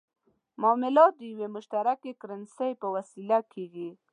معاملات د یوې مشترکې کرنسۍ په وسیله کېږي.